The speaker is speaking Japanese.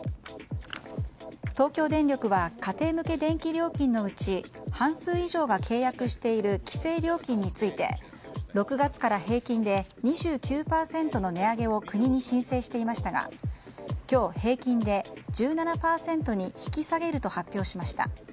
東京電力は家庭向け電気料金のうち半数以上が契約している規制料金について６月から平均で２９％の値上げを国に申請していましたが今日、平均で１７％に引き下げると発表しました。